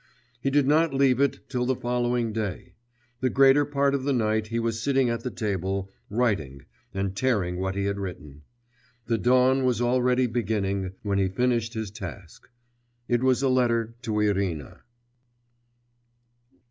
He did not leave it till the following day: the greater part of the night he was sitting at the table, writing, and tearing what he had written.... The dawn was already beginning when he finished his task it was a letter to Irina.